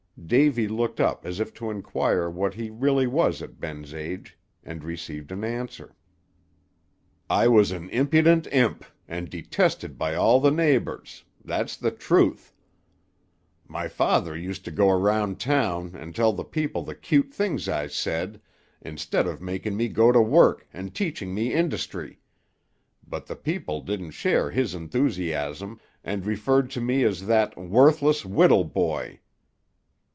Davy looked up as if to inquire what he really was at Ben's age, and received an answer. "I was an impudent imp, and detested by all the neighbors; that's the truth. My father used to go around town, and tell the people the cute things I said, instead of making me go to work, and teaching me industry; but the people didn't share his enthusiasm, and referred to me as that 'worthless Whittle boy.'